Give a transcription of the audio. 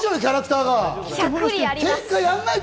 キャラクターが。